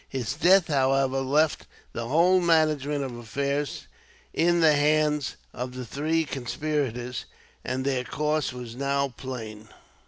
His death, however, left the whole management of affairs in the hands of the three conspirators, and their course was now plain.